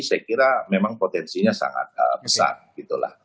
saya kira memang potensinya sangat besar gitu lah